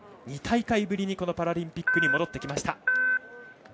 ２大会ぶりにパラリンピックに戻ってきました。